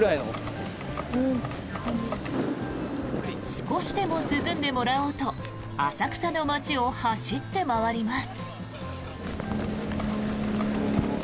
少しでも涼んでもらおうと浅草の街を走って回ります。